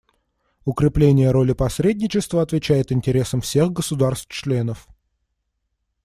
Укрепление роли посредничества отвечает интересам всех государств-членов.